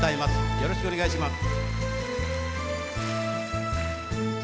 よろしくお願いします。